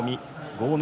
豪ノ